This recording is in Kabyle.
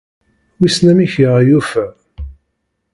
Wissen amek i aɣ-yufa ?